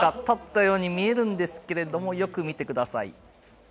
立ったように見えるんですがよく見てください。